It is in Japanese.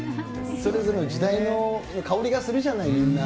それぞれの時代の香りがするじゃない、みんな。